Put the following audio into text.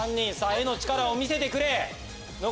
絵の力を見せてくれ！